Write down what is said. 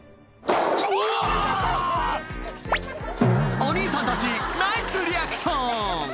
お兄さんたちナイスリアクション！